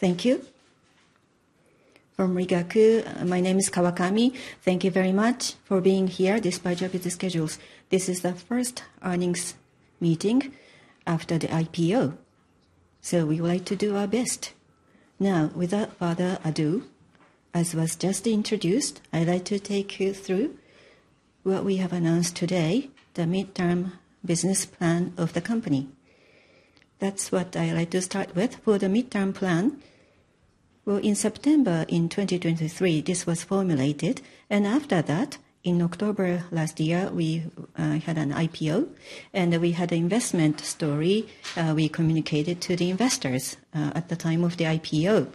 Thank you. For Rigaku, my name is Kawakami. Thank you very much for being here despite your busy schedules. This is the first earnings meeting after the IPO, so we would like to do our best. Now, without further ado, as was just introduced, I'd like to take you through what we have announced today: the midterm business plan of the company. That's what I'd like to start with for the midterm plan. In September 2023, this was formulated, and after that, in October last year, we had an IPO, and we had an investment story we communicated to the investors at the time of the IPO.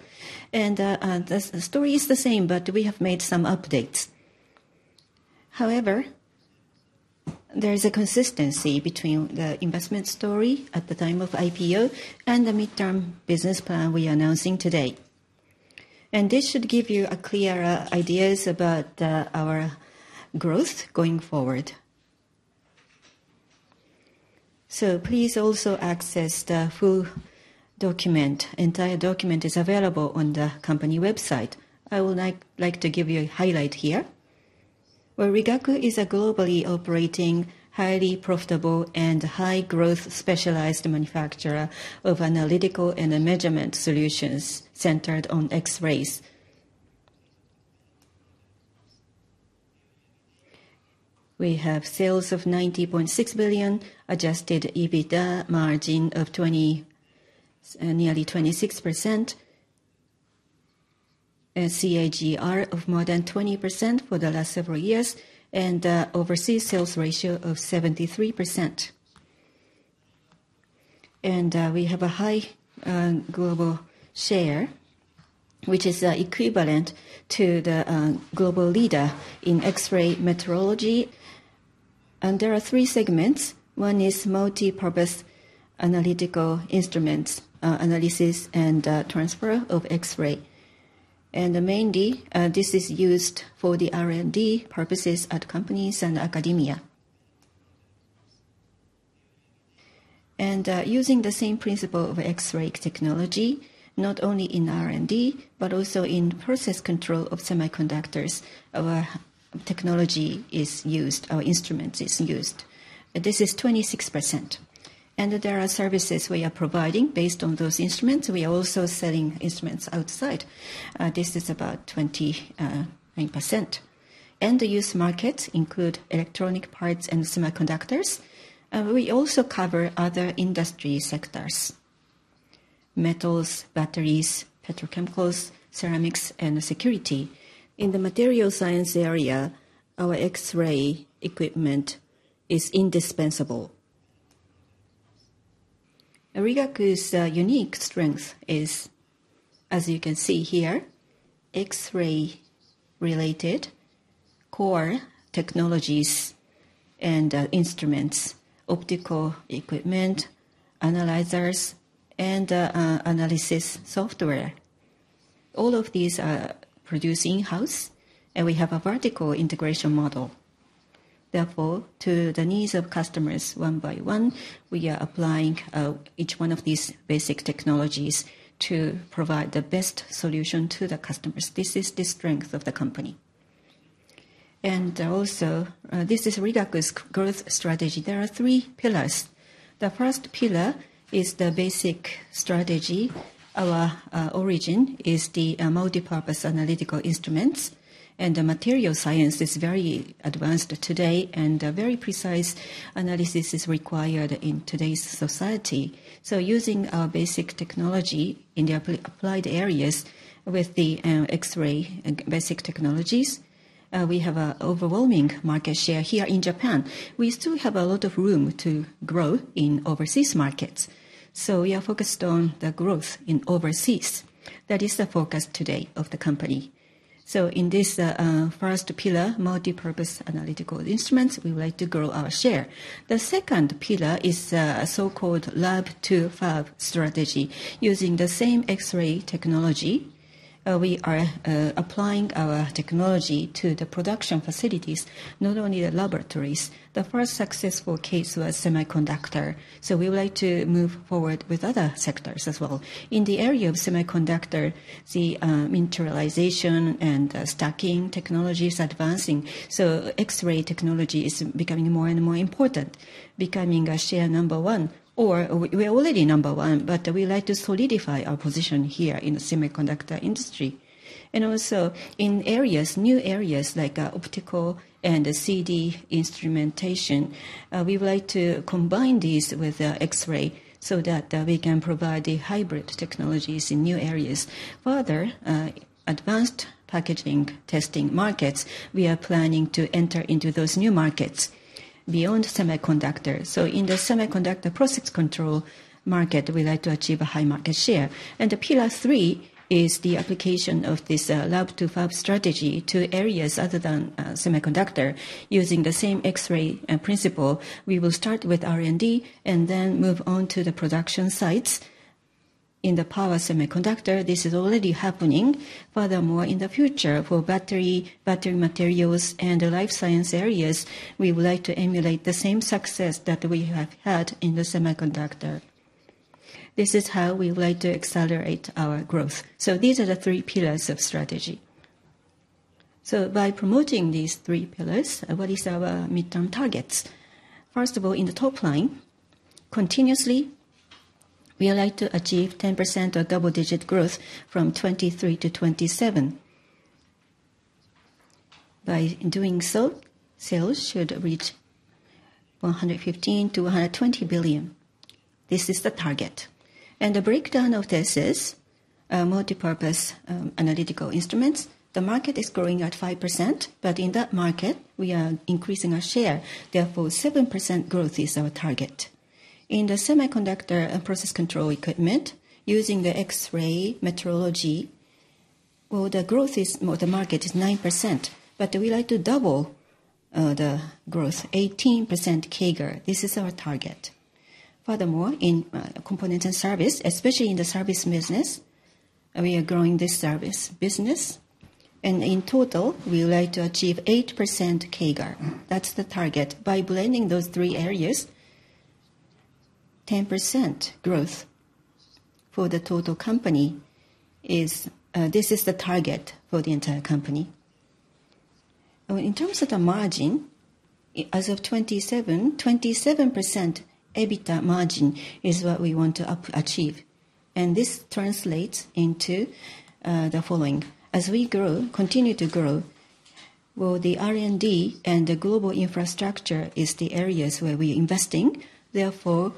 The story is the same, but we have made some updates. However, there is a consistency between the investment story at the time of IPO and the midterm business plan we are announcing today. This should give you clear ideas about our growth going forward. Please also access the full document. The entire document is available on the company website. I would like to give you a highlight here. Rigaku is a globally operating, highly profitable, and high-growth specialized manufacturer of analytical and measurement solutions centered on X-rays. We have sales of 90.6 billion, Adjusted EBITDA margin of nearly 26%, a CAGR of more than 20% for the last several years, and an overseas sales ratio of 73%. We have a high global share, which is equivalent to the global leader in X-ray metrology. There are three segments. One is multipurpose analytical instruments, analysis, and handling of X-rays. Mainly, this is used for the R&D purposes at companies and academia. And using the same principle of X-ray technology, not only in R&D but also in process control of semiconductors, our technology is used. Our instrument is used. This is 26%. And there are services we are providing based on those instruments. We are also selling instruments outside. This is about 29%. And the use markets include electronic parts and semiconductors. We also cover other industry sectors: metals, batteries, petrochemicals, ceramics, and security. In the material science area, our X-ray equipment is indispensable. Rigaku's unique strength is, as you can see here, X-ray-related core technologies and instruments: optical equipment, analyzers, and analysis software. All of these are produced in-house, and we have a vertical integration model. Therefore, to the needs of customers, one by one, we are applying each one of these basic technologies to provide the best solution to the customers. This is the strength of the company. And also, this is Rigaku's growth strategy. There are three pillars. The first pillar is the basic strategy. Our origin is the multipurpose analytical instruments. And the material science is very advanced today, and very precise analysis is required in today's society. So using our basic technology in the applied areas with the X-ray basic technologies, we have an overwhelming market share here in Japan. We still have a lot of room to grow in overseas markets. So we are focused on the growth in overseas. That is the focus today of the company. So in this first pillar, multipurpose analytical instruments, we would like to grow our share. The second pillar is the so-called Lab to Fab strategy. Using the same X-ray technology, we are applying our technology to the production facilities, not only the laboratories. The first successful case was semiconductor. We would like to move forward with other sectors as well. In the area of semiconductor, the materialization and stacking technology is advancing. X-ray technology is becoming more and more important, becoming a share number one. Or we're already number one, but we'd like to solidify our position here in the semiconductor industry. And also, in new areas like optical and CD instrumentation, we would like to combine these with X-ray so that we can provide the hybrid technologies in new areas. Further, advanced packaging testing markets, we are planning to enter into those new markets beyond semiconductors. In the semiconductor process control market, we'd like to achieve a high market share. And the pillar three is the application of this Lab to Fab strategy to areas other than semiconductor. Using the same X-ray principle, we will start with R&D and then move on to the production sites. In the power semiconductor, this is already happening. Furthermore, in the future, for battery, battery materials, and life science areas, we would like to emulate the same success that we have had in the semiconductor. This is how we would like to accelerate our growth. So these are the three pillars of strategy. So by promoting these three pillars, what are our midterm targets? First of all, in the top line, continuously, we would like to achieve 10% or double-digit growth from 2023 to 2027. By doing so, sales should reach 115 billion-120 billion. This is the target. And the breakdown of this is multipurpose analytical instruments. The market is growing at 5%, but in that market, we are increasing our share. Therefore, 7% growth is our target. In the semiconductor process control equipment, using the X-ray metrology, well, the market is 9%, but we'd like to double the growth, 18% CAGR. This is our target. Furthermore, in components and service, especially in the service business, we are growing this service business. In total, we would like to achieve 8% CAGR. That's the target. By blending those three areas, 10% growth for the total company is. This is the target for the entire company. In terms of the margin, as of 2027, 27% EBITDA margin is what we want to achieve. This translates into the following. As we grow, continue to grow, well, the R&D and the global infrastructure are the areas where we are investing. Therefore,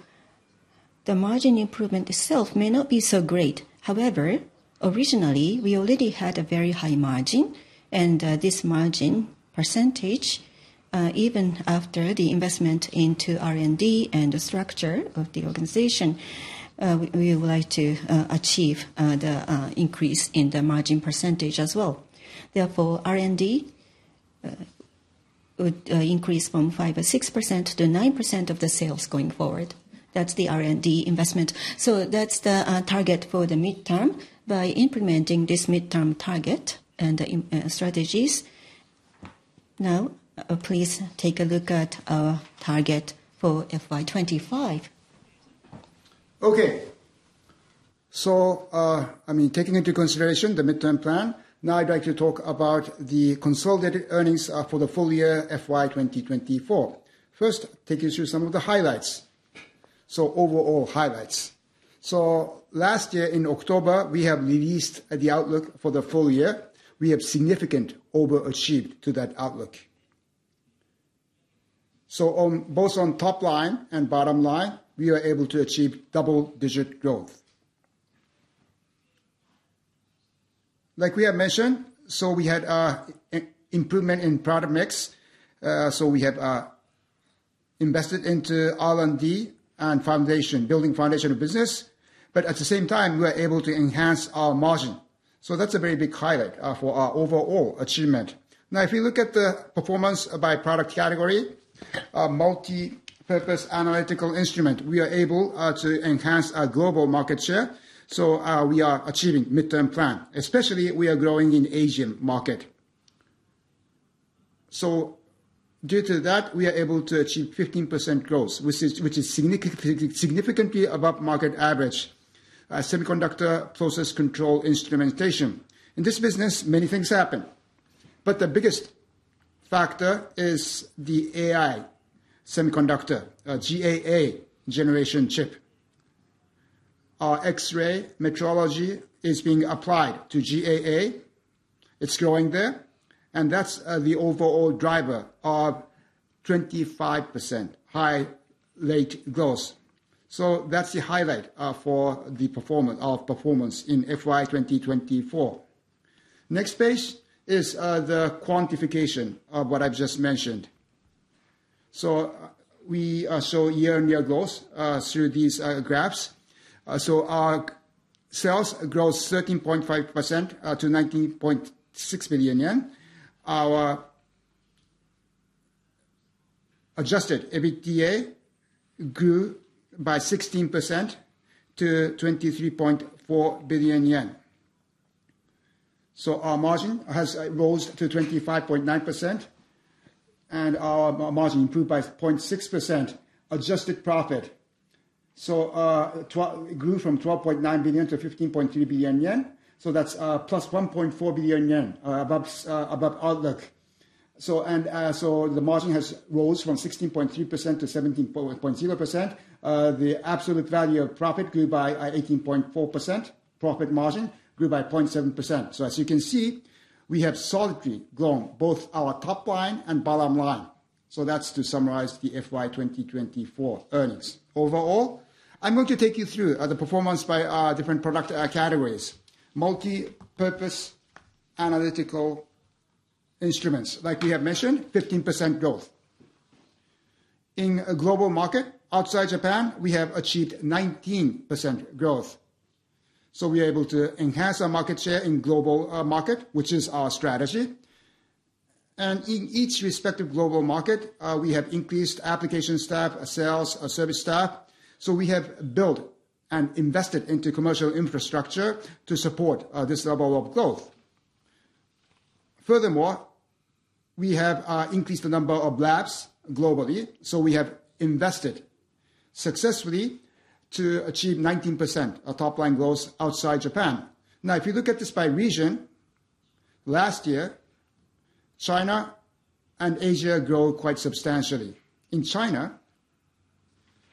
the margin improvement itself may not be so great. However, originally, we already had a very high margin, and this margin percentage, even after the investment into R&D and the structure of the organization, we would like to achieve the increase in the margin percentage as well. Therefore, R&D would increase from 5% or 6% to 9% of the sales going forward. That's the R&D investment. So that's the target for the midterm. By implementing this midterm target and the strategies, now, please take a look at our target for FY 2025. Okay. So, I mean, taking into consideration the midterm plan, now I'd like to talk about the consolidated earnings for the full year FY 2024. First, take you through some of the highlights. So, overall highlights. So, last year, in October, we have released the outlook for the full year. We have significantly overachieved to that outlook. So, both on top line and bottom line, we were able to achieve double-digit growth. Like we have mentioned, so we had improvement in product mix. So we have invested into R&D and foundation, building foundation of business. But at the same time, we were able to enhance our margin. So that's a very big highlight for our overall achievement. Now, if you look at the performance by product category, multipurpose analytical instrument, we are able to enhance our global market share. So we are achieving midterm plan. Especially, we are growing in the Asian market. So, due to that, we are able to achieve 15% growth, which is significantly above market average. Semiconductor process control instrumentation. In this business, many things happen. But the biggest factor is the AI semiconductor, GAA generation chip. Our X-ray metrology is being applied to GAA. It's growing there. And that's the overall driver of 25% high rate growth. So that's the highlight for the performance in FY 2024. Next phase is the quantification of what I've just mentioned. So we show year-on-year growth through these graphs. So our sales grow 13.5% to JPY 19.6 billion. Our adjusted EBITDA grew by 16% to 23.4 billion yen. So our margin has rose to 25.9%, and our margin improved by 0.6%. Adjusted profit grew from 12.9 billion to 15.3 billion yen. So that's +1.4 billion yen above outlook. The margin has rose from 16.3%-17.0%. The absolute value of profit grew by 18.4%. Profit margin grew by 0.7%. So, as you can see, we have solidly grown both our top line and bottom line. So that's to summarize the FY 2024 earnings. Overall, I'm going to take you through the performance by different product categories. Multipurpose analytical instruments, like we have mentioned, 15% growth. In a global market outside Japan, we have achieved 19% growth. So we are able to enhance our market share in global market, which is our strategy. And in each respective global market, we have increased application staff, sales, service staff. So we have built and invested into commercial infrastructure to support this level of growth. Furthermore, we have increased the number of labs globally. So we have invested successfully to achieve 19% top line growth outside Japan. Now, if you look at this by region, last year, China and Asia grew quite substantially. In China,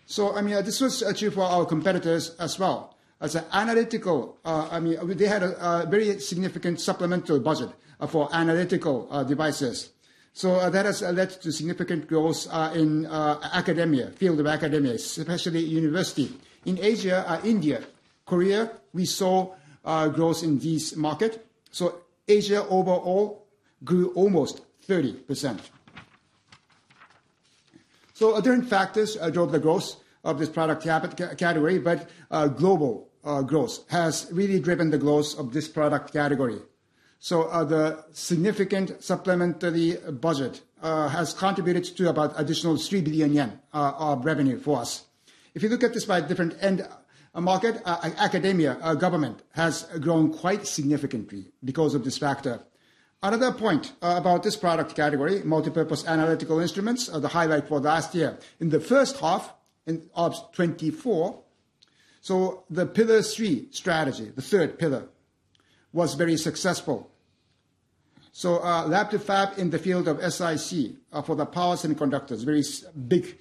so I mean, this was achieved for our competitors as well. As an analytical, I mean, they had a very significant supplemental budget for analytical devices. So that has led to significant growth in academia, field of academia, especially university. In Asia, India, Korea, we saw growth in these markets. So Asia overall grew almost 30%. So other factors drove the growth of this product category, but global growth has really driven the growth of this product category. So the significant supplementary budget has contributed to about an additional 3 billion yen of revenue for us. If you look at this by different market, academia, government has grown quite significantly because of this factor. Another point about this product category, multipurpose analytical instruments: the highlight for last year in the first half of 2024. So the pillar three strategy, the third pillar, was very successful. So Lab to Fab in the field of SiC for the power semiconductors, very big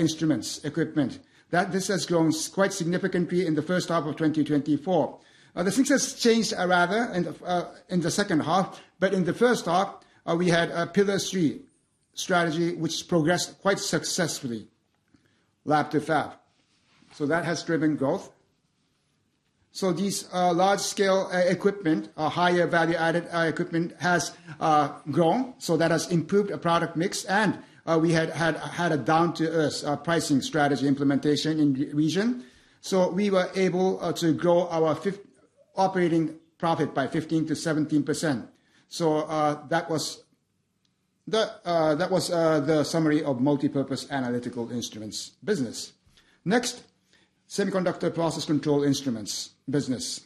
instruments, equipment. This has grown quite significantly in the first half of 2024. The success changed rather in the second half, but in the first half, we had a pillar three strategy which progressed quite successfully, Lab to Fab. So that has driven growth. So these large-scale equipment, higher value-added equipment, has grown. So that has improved our product mix. And we had a down-to-earth pricing strategy implementation in the region. So we were able to grow our operating profit by 15%-17%. So that was the summary of multipurpose analytical instruments business. Next, semiconductor process control instruments business.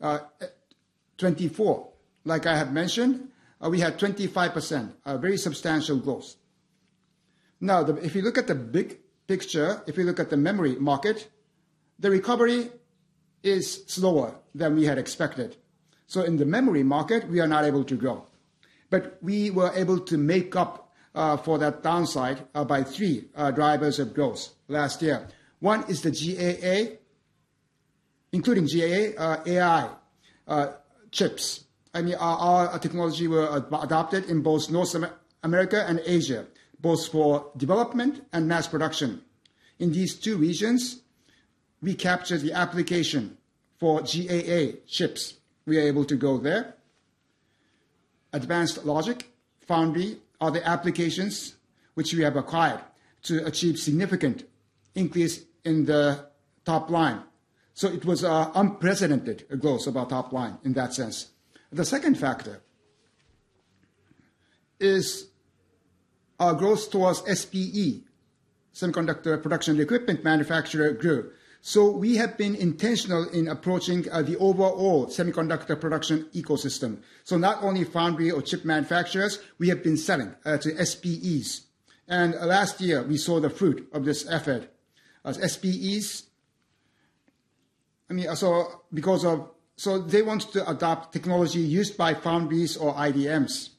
2024, like I have mentioned, we had 25% very substantial growth. Now, if you look at the big picture, if you look at the memory market, the recovery is slower than we had expected. So in the memory market, we are not able to grow. But we were able to make up for that downside by three drivers of growth last year. One is the GAA, including GAA AI chips. I mean, our technology was adopted in both North America and Asia, both for development and mass production. In these two regions, we captured the application for GAA chips. We are able to go there. Advanced logic, foundry, are the applications which we have acquired to achieve significant increase in the top line. So it was an unprecedented growth of our top line in that sense. The second factor is our growth towards SPE, semiconductor production equipment manufacturer group. We have been intentional in approaching the overall semiconductor production ecosystem. Not only foundry or chip manufacturers, we have been selling to SPEs. Last year, we saw the fruit of this effort. SPEs, I mean, so because of so they want to adopt technology used by foundries or IDMs.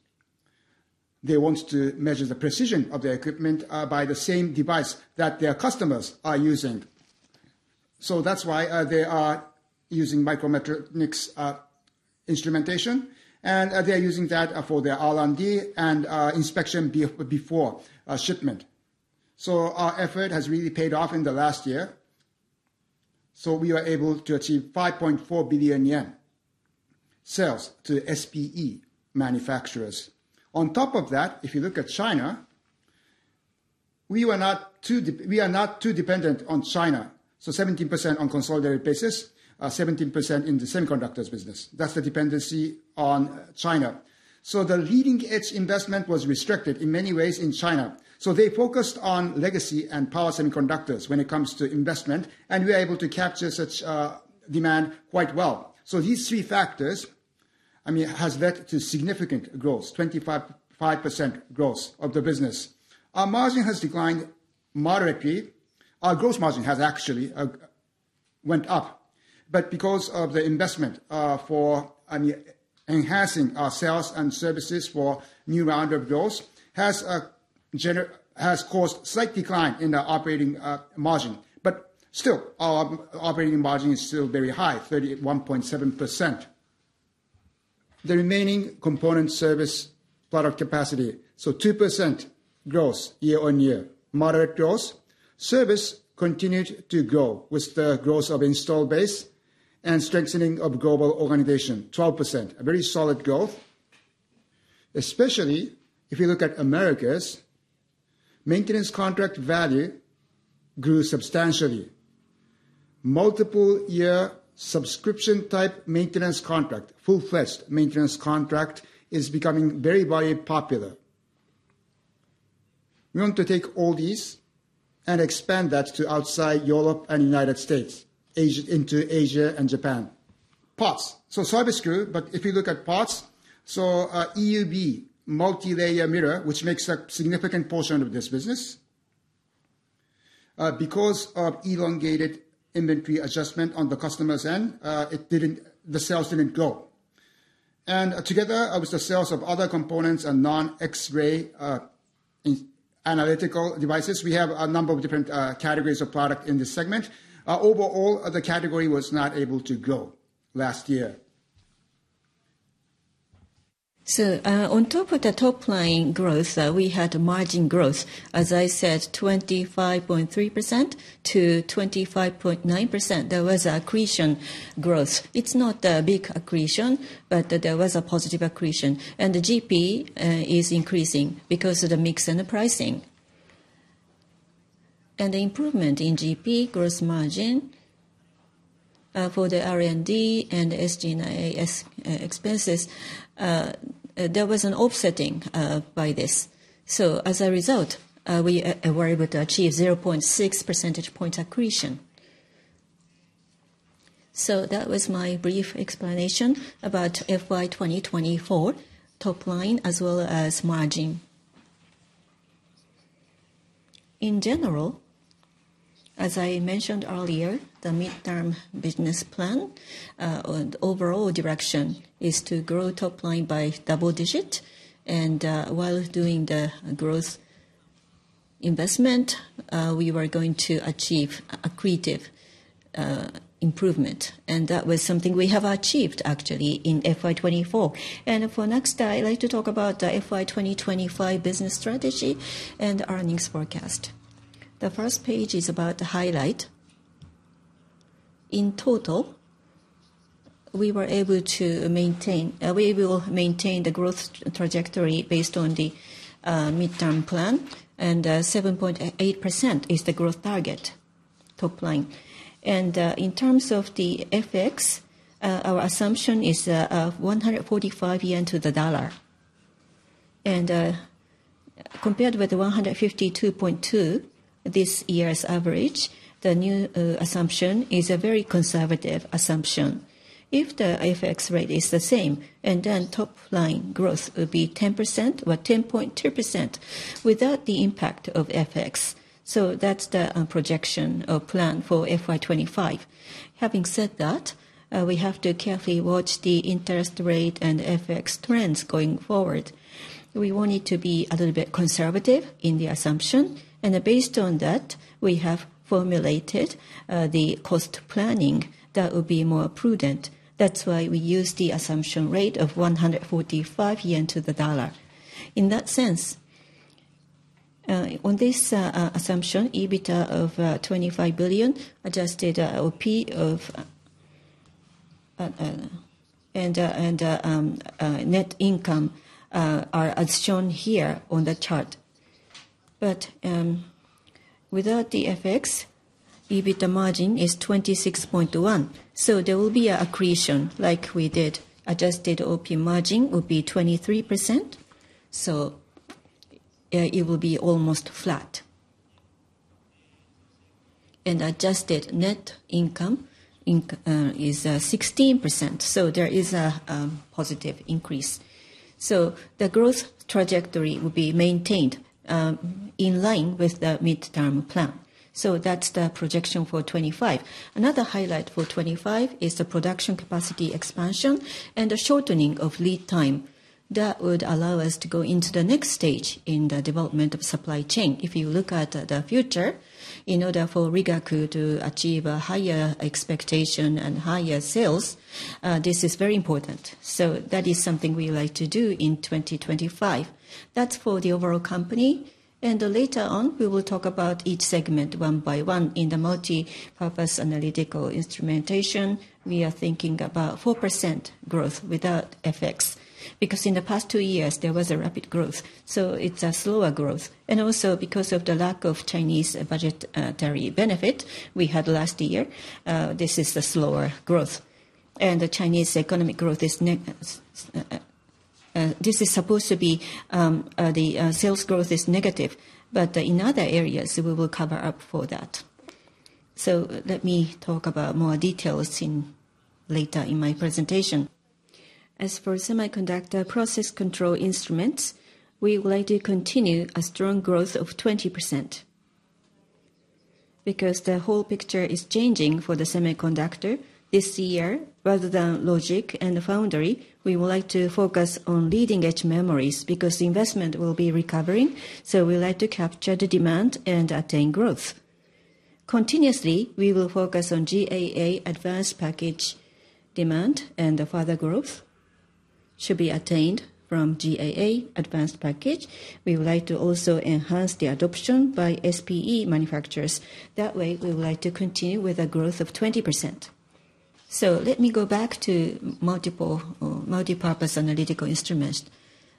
They want to measure the precision of their equipment by the same device that their customers are using. That's why they are using micrometric instrumentation. They are using that for their R&D and inspection before shipment. Our effort has really paid off in the last year. We were able to achieve 5.4 billion yen sales to SPE manufacturers. On top of that, if you look at China, we are not too dependent on China. 17% on consolidated basis, 17% in the semiconductors business. That's the dependency on China. The leading-edge investment was restricted in many ways in China. They focused on legacy and power semiconductors when it comes to investment, and we were able to capture such demand quite well. These three factors, I mean, have led to significant growth, 25% growth of the business. Our margin has declined moderately. Our gross margin has actually went up. But because of the investment for, I mean, enhancing our sales and services for a new round of growth has caused a slight decline in our operating margin. Still, our operating margin is still very high, 31.7%. The remaining component service product capacity, so 2% growth year-on-year, moderate growth. Service continued to grow with the growth of install base and strengthening of global organization, 12%, a very solid growth. Especially if you look at Americas, maintenance contract value grew substantially. Multiple-year subscription-type maintenance contract, full-fledged maintenance contract is becoming very, very popular. We want to take all these and expand that to outside Europe and the United States, into Asia and Japan. Parts. So cybersecurity, but if you look at parts, so EUV, multi-layer mirror, which makes a significant portion of this business. Because of elongated inventory adjustment on the customer's end, the sales didn't grow. And together with the sales of other components and non-X-ray analytical devices, we have a number of different categories of product in this segment. Overall, the category was not able to grow last year. So on top of the top line growth, we had margin growth, as I said, 25.3%-25.9%. There was an accretion growth. It's not a big accretion, but there was a positive accretion. And the GP is increasing because of the mix and the pricing. And the improvement in GP gross margin for the R&D and SG&A expenses, there was an offsetting by this. So as a result, we were able to achieve 0.6 percentage point accretion. So that was my brief explanation about FY 2024 top line as well as margin. In general, as I mentioned earlier, the mid-term business plan, the overall direction is to grow top line by double-digit. And while doing the growth investment, we were going to achieve accretive improvement. And that was something we have achieved actually in FY 2024. And for next, I'd like to talk about the FY 2025 business strategy and earnings forecast. The first page is about the highlight. In total, we were able to maintain, we will maintain the growth trajectory based on the midterm plan, and 7.8% is the growth target, top line. And in terms of the FX, our assumption is 145 yen to the dollar. And compared with 152.2 this year's average, the new assumption is a very conservative assumption. If the FX rate is the same, and then top line growth would be 10% or 10.2% without the impact of FX. So that's the projection or plan for FY 2025. Having said that, we have to carefully watch the interest rate and FX trends going forward. We wanted to be a little bit conservative in the assumption. And based on that, we have formulated the cost planning that would be more prudent. That's why we used the assumption rate of 145 yen to the dollar. In that sense, on this assumption, EBITDA of JPY 25 billion, adjusted OP of, and net income are as shown here on the chart. But without the FX, EBITDA margin is 26.1%. There will be an accretion like we did. Adjusted OP margin would be 23%. It will be almost flat. And adjusted net income is 16%. There is a positive increase. The growth trajectory will be maintained in line with the midterm plan. That's the projection for 2025. Another highlight for 2025 is the production capacity expansion and the shortening of lead time. That would allow us to go into the next stage in the development of supply chain. If you look at the future, in order for Rigaku to achieve a higher expectation and higher sales, this is very important. So that is something we like to do in 2025. That's for the overall company, and later on, we will talk about each segment one by one. In the multipurpose analytical instrumentation, we are thinking about 4% growth without FX, because in the past two years, there was a rapid growth, so it's a slower growth, and also because of the lack of Chinese budgetary benefit we had last year, this is a slower growth, and the Chinese economic growth is, this is supposed to be the sales growth is negative, but in other areas, we will cover up for that, so let me talk about more details later in my presentation. As for semiconductor process control instruments, we would like to continue a strong growth of 20%. Because the whole picture is changing for the semiconductor this year, rather than logic and foundry, we would like to focus on leading-edge memories because the investment will be recovering, so we like to capture the demand and attain growth. Continuously, we will focus on GAA advanced package demand and further growth should be attained from GAA advanced package. We would like to also enhance the adoption by SPE manufacturers. That way, we would like to continue with a growth of 20%, so let me go back to multipurpose analytical instruments.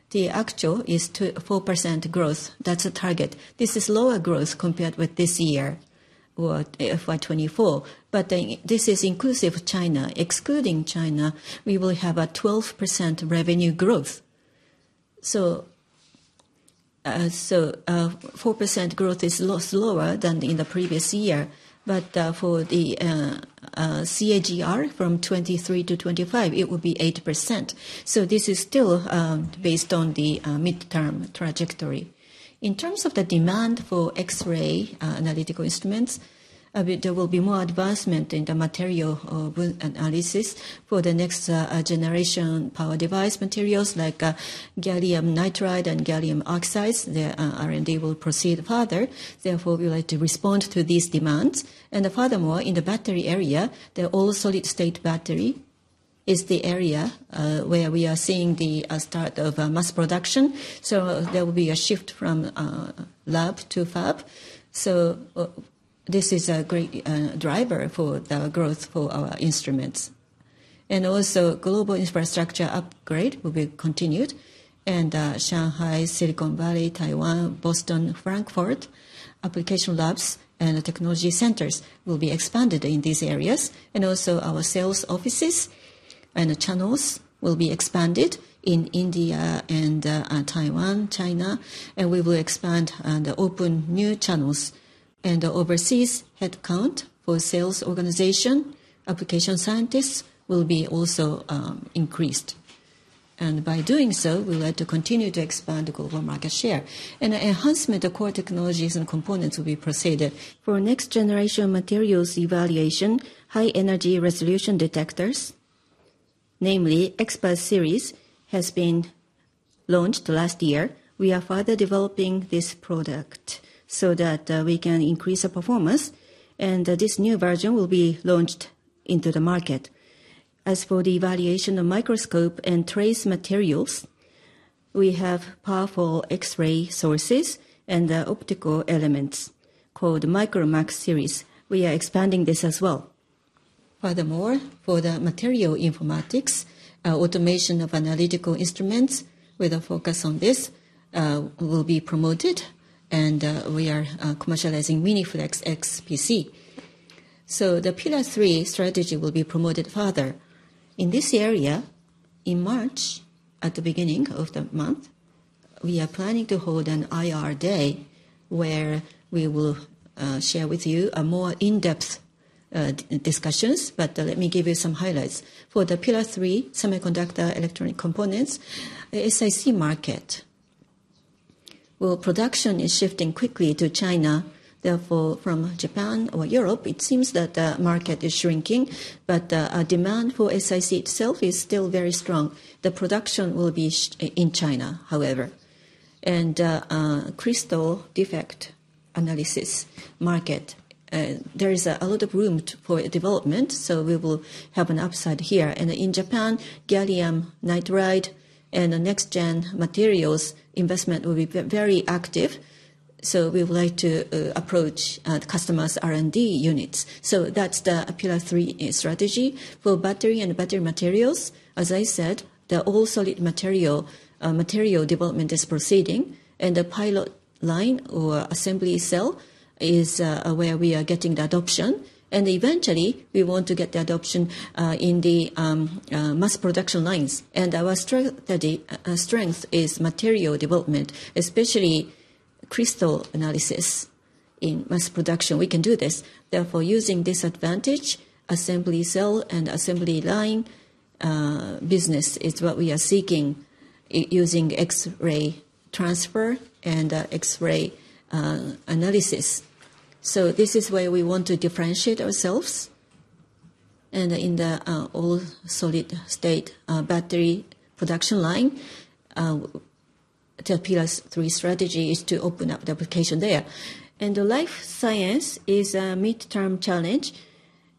The actual is 4% growth. That's the target. This is lower growth compared with this year or FY 2024, but this is inclusive of China, excluding China, we will have a 12% revenue growth, so 4% growth is lower than in the previous year, but for the CAGR from 2023 to 2025, it will be 8%. So this is still based on the midterm trajectory. In terms of the demand for X-ray analytical instruments, there will be more advancement in the material analysis for the next generation power device materials like gallium nitride and gallium oxide. The R&D will proceed further. Therefore, we like to respond to these demands. And furthermore, in the battery area, the all-solid-state battery is the area where we are seeing the start of mass production. So there will be a shift from Lab to Fab. So this is a great driver for the growth for our instruments. And also, global infrastructure upgrade will be continued. And Shanghai, Silicon Valley, Taiwan, Boston, Frankfurt application labs and technology centers will be expanded in these areas. And also, our sales offices and channels will be expanded in India and Taiwan, China. And we will expand and open new channels. And the overseas headcount for sales organization, application scientists will be also increased. And by doing so, we would like to continue to expand the global market share. And enhancement of core technologies and components will be proceeded. For next generation materials evaluation, high energy resolution detectors, namely XTRAIA series, has been launched last year. We are further developing this product so that we can increase our performance. And this new version will be launched into the market. As for the evaluation of microscope and trace materials, we have powerful X-ray sources and optical elements called MicroMax series. We are expanding this as well. Furthermore, for the material informatics, automation of analytical instruments with a focus on this will be promoted. And we are commercializing MiniFlex XpC. So the pillar three strategy will be promoted further. In this area, in March, at the beginning of the month, we are planning to hold an IR day where we will share with you a more in-depth discussion. But let me give you some highlights. For the pillar three semiconductor electronic components, the SiC market, well, production is shifting quickly to China. Therefore, from Japan or Europe, it seems that the market is shrinking, but the demand for SiC itself is still very strong. The production will be in China, however, and crystal defect analysis market, there is a lot of room for development, so we will have an upside here, and in Japan, gallium nitride and next-gen materials investment will be very active. So we would like to approach customers' R&D units. So that's the pillar three strategy for battery and battery materials. As I said, the all-solid material development is proceeding. The pilot line or assembly cell is where we are getting the adoption. Eventually, we want to get the adoption in the mass production lines. Our strength is material development, especially crystal analysis in mass production. We can do this. Therefore, using this advantage, assembly cell and assembly line business is what we are seeking using X-ray transfer and X-ray analysis. This is where we want to differentiate ourselves. In the all-solid-state battery production line, the Pillar Three strategy is to open up the application there. Life science is a midterm challenge.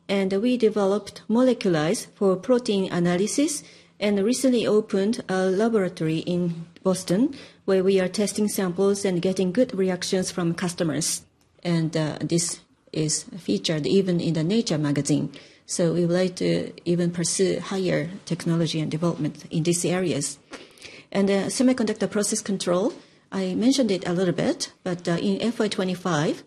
We developed moleculize for protein analysis and recently opened a laboratory in Boston where we are testing samples and getting good reactions from customers. This is featured even in the Nature magazine. We would like to even pursue higher technology and development in these areas. And semiconductor process control, I mentioned it a little bit, but in FY 2025,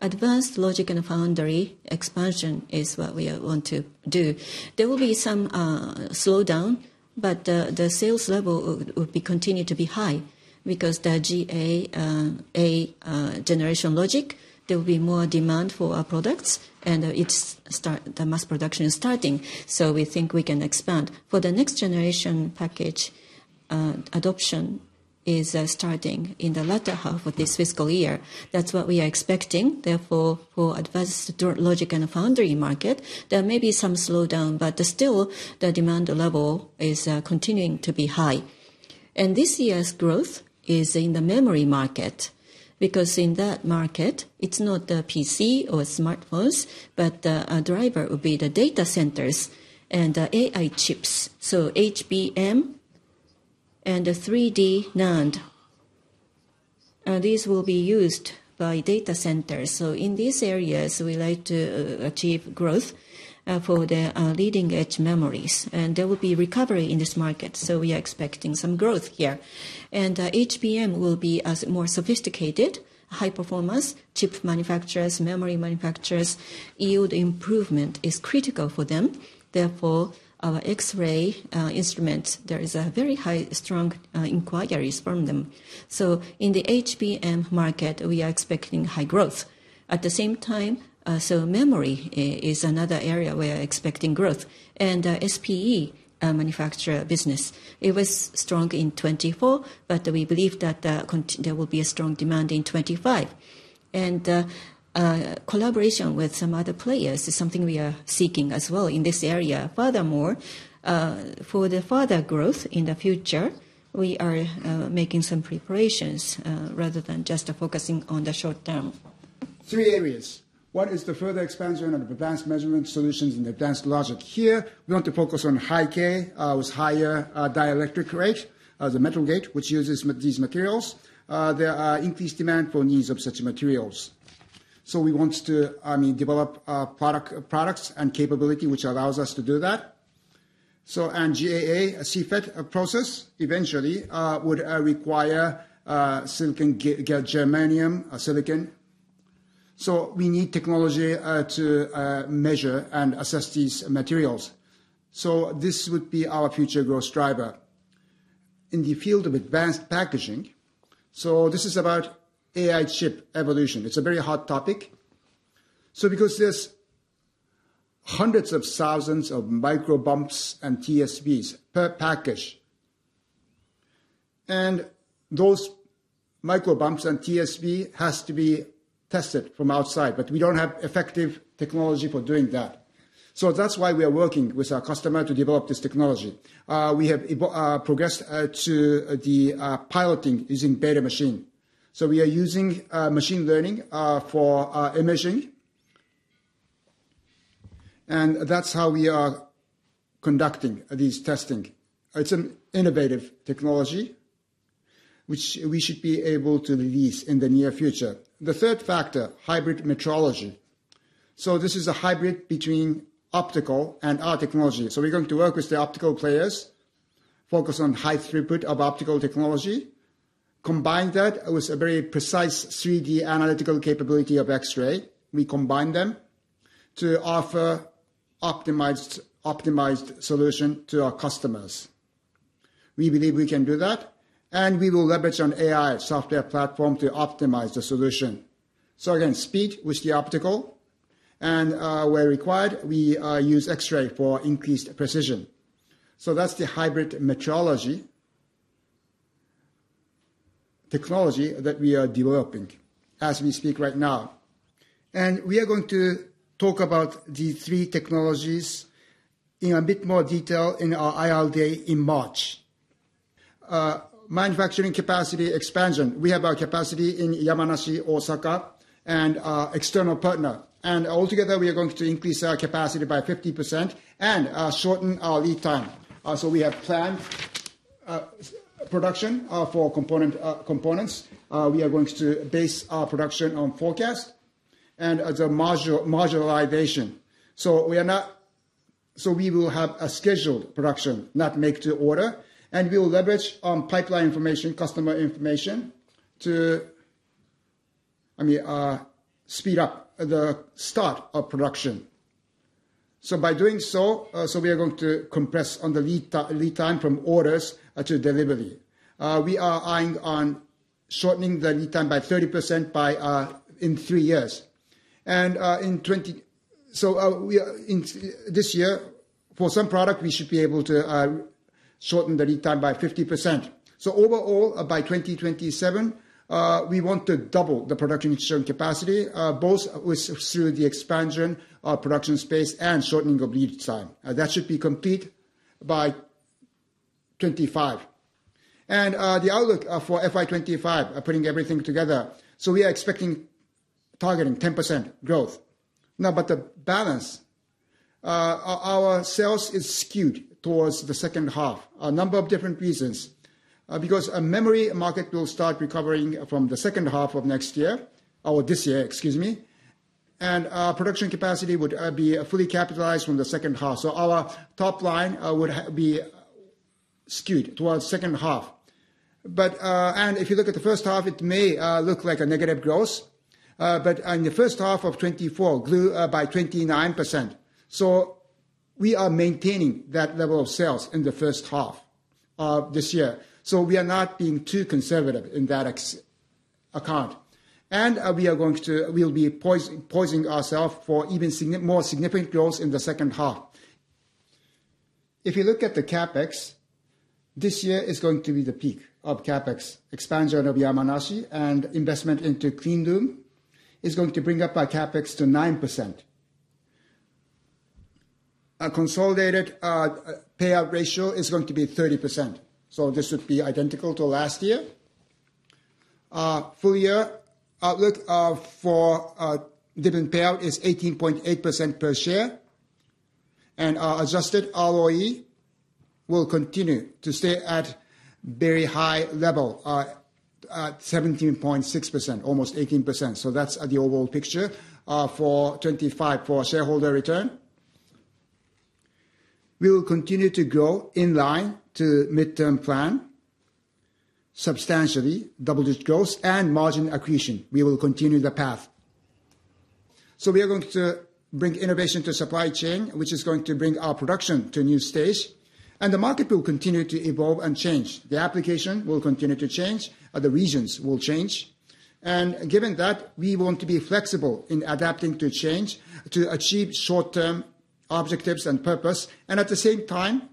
advanced logic and foundry expansion is what we want to do. There will be some slowdown, but the sales level will continue to be high because the GAA generation logic, there will be more demand for our products and the mass production is starting. So we think we can expand. For the next generation package, adoption is starting in the latter half of this fiscal year. That's what we are expecting. Therefore, for advanced logic and foundry market, there may be some slowdown, but still the demand level is continuing to be high. And this year's growth is in the memory market because in that market, it's not the PC or smartphones, but the driver will be the data centers and the AI chips. So HBM and 3D NAND. These will be used by data centers. So in these areas, we like to achieve growth for the leading-edge memories. And there will be recovery in this market. So we are expecting some growth here. And HBM will be more sophisticated, high-performance chip manufacturers, memory manufacturers. Yield improvement is critical for them. Therefore, our X-ray instruments, there is a very high, strong inquiries from them. So in the HBM market, we are expecting high growth. At the same time, so memory is another area where we are expecting growth. And SPE manufacturer business, it was strong in 2024, but we believe that there will be a strong demand in 2025. And collaboration with some other players is something we are seeking as well in this area. Furthermore, for the further growth in the future, we are making some preparations rather than just focusing on the short term. Three areas. One is the further expansion of advanced measurement solutions and advanced logic. Here, we want to focus on high-k with higher dielectric constant as a metal gate which uses these materials. There are increased demand for needs of such materials. So we want to develop products and capability which allows us to do that. And GAA, a CFET process eventually would require silicon germanium, silicon. So we need technology to measure and assess these materials. So this would be our future growth driver. In the field of advanced packaging, so this is about AI chip evolution. It's a very hot topic. So because there's hundreds of thousands of microbumps and TSVs per package. And those microbumps and TSVs have to be tested from outside, but we don't have effective technology for doing that. So that's why we are working with our customer to develop this technology. We have progressed to the piloting using beta machine, so we are using machine learning for imaging, and that's how we are conducting these testing. It's an innovative technology which we should be able to release in the near future. The third factor, hybrid metrology, so this is a hybrid between optical and our technology, so we're going to work with the optical players, focus on high throughput of optical technology, combine that with a very precise 3D analytical capability of X-ray. We combine them to offer optimized solution to our customers. We believe we can do that, and we will leverage on AI software platform to optimize the solution, so again, speed with the optical, and where required, we use X-ray for increased precision, so that's the hybrid metrology technology that we are developing as we speak right now. We are going to talk about these three technologies in a bit more detail in our IR day in March. Manufacturing capacity expansion. We have our capacity in Yamanashi, Osaka, and our external partner. Altogether, we are going to increase our capacity by 50% and shorten our lead time. We have planned production for components. We are going to base our production on forecast and the modularization. We will have a scheduled production, not make to order. We will leverage on pipeline information, customer information to speed up the start of production. By doing so, we are going to compress on the lead time from orders to delivery. We are eyeing on shortening the lead time by 30% in three years. This year, for some product, we should be able to shorten the lead time by 50%. So overall, by 2027, we want to double the production capacity, both through the expansion of production space and shortening of lead time. That should be complete by 2025. And the outlook for FY 2025, putting everything together. So we are expecting targeting 10% growth. Now, but the balance, our sales is skewed towards the second half. A number of different reasons. Because a memory market will start recovering from the second half of next year, or this year, excuse me. And production capacity would be fully capitalized from the second half. So our top line would be skewed towards second half. And if you look at the first half, it may look like a negative growth. But in the first half of 2024, grew by 29%. So we are maintaining that level of sales in the first half of this year. We are not being too conservative in that account. We are going to, we'll be positioning ourselves for even more significant growth in the second half. If you look at the CapEx, this year is going to be the peak of CapEx expansion of Yamanashi and investment into clean room is going to bring up CapEx to 9%. A consolidated payout ratio is going to be 30%. This would be identical to last year. Full year outlook for dividend payout is 18.8% per share. Adjusted ROE will continue to stay at very high level, 17.6%, almost 18%. That's the overall picture for 2025 for shareholder return. We will continue to grow in line with midterm plan, substantially double-digit growth and margin accretion. We will continue the path. We are going to bring innovation to supply chain, which is going to bring our production to a new stage. The market will continue to evolve and change. The application will continue to change. The regions will change. Given that, we want to be flexible in adapting to change to achieve short-term objectives and purpose. At the same time,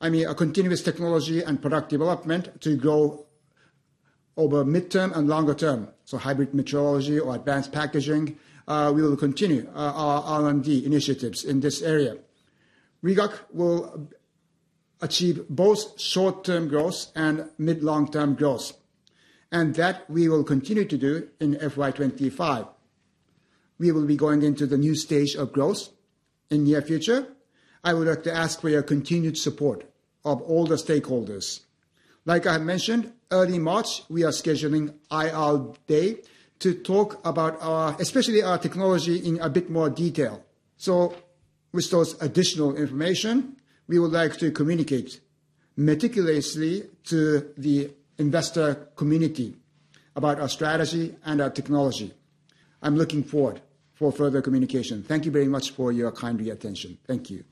I mean, a continuous technology and product development to grow over midterm and longer term. Hybrid metrology or advanced packaging, we will continue our R&D initiatives in this area. Rigaku will achieve both short-term growth and mid-long-term growth. That we will continue to do in FY 2025. We will be going into the new stage of growth in the near future. I would like to ask for your continued support of all the stakeholders. Like I mentioned, early March, we are scheduling IR day to talk about our, especially our technology, in a bit more detail. So with those additional information, we would like to communicate meticulously to the investor community about our strategy and our technology. I'm looking forward for further communication. Thank you very much for your kind attention. Thank you.